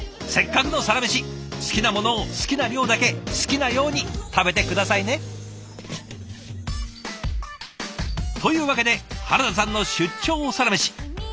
せっかくのサラメシ好きなものを好きな量だけ好きなように食べて下さいね！というわけで原田さんの出張サラメシ。